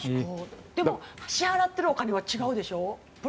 でも、支払ってるお金は違うでしょ？